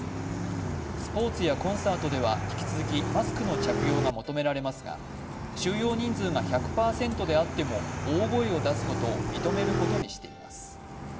スポーツやコンサートでは引き続きマスクの着用が求められますが収容人数が１００％であっても大声を出すことを認めることにしています。